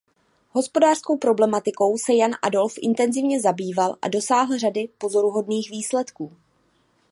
Hospodářskou problematikou se Jan Adolf intenzivně zabýval a dosáhl řady pozoruhodných výsledků.